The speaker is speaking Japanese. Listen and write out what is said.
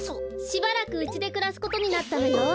しばらくうちでくらすことになったのよ。